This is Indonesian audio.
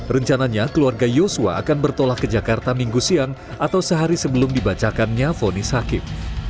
rencananya keluarga yosua akan bertolak ke jakarta minggu siang atau sehari sebelum dibacakannya fonis hakim